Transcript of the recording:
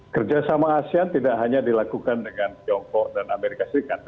kerjasama asean tidak hanya dilakukan dengan tiongkok dan amerika serikat